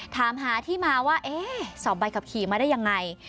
ถามหาที่มาว่าเอ๊ะสอบใบขับขี่มาได้ยังไง